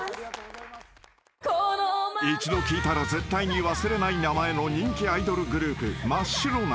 ［一度聞いたら絶対に忘れない名前の人気アイドルグループ］